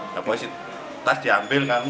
ya boi sih tas diambil kan